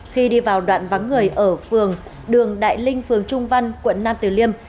khi đi vào đoạn vắng người ở phường đường đại linh phường trung văn quận nam tử liêm